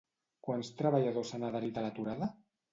Quants treballadors s'han adherit a l'aturada?